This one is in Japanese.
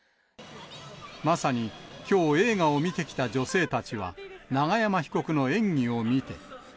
まさに、きょう映画を見てきた女性たちは永山被告の演技を見て。